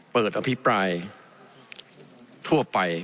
เปิดอภิปรายทั่วไป